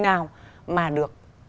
nào mà được